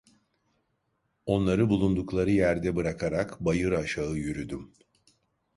Onları bulundukları yerde bırakarak bayır aşağı yürüdüm.